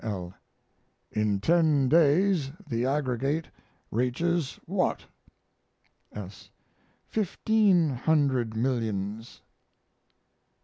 L. In ten days the aggregate reaches what? S. Fifteen hundred millions.